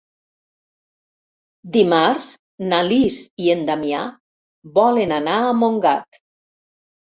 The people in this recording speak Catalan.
Dimarts na Lis i en Damià volen anar a Montgat.